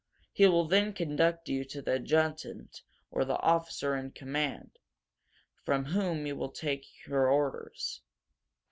He will then conduct you to the adjutant or the officer in command, from whom you will take your orders."